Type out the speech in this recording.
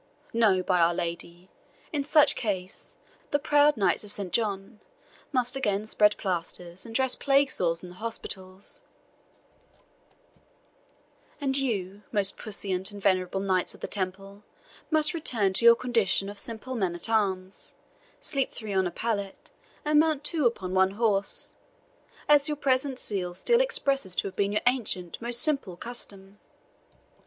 No, by Our Lady! In such case, the proud Knights of Saint John must again spread plasters and dress plague sores in the hospitals; and you, most puissant and venerable Knights of the Temple, must return to your condition of simple men at arms, sleep three on a pallet, and mount two upon one horse, as your present seal still expresses to have been your ancient most simple custom."